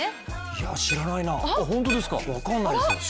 いや、知らないな、分かんないですよ。